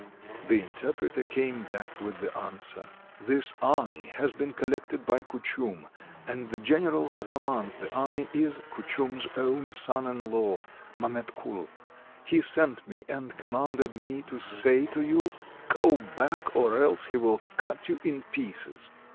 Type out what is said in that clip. The interpreter came back with the answer :— "This army has been collected by Kuchum. And the general who commands the army is Kuchum's own son in law, Mametkul. He sent me, and commanded me to say to you, ' Go back, or else he will cut you in pieces.'"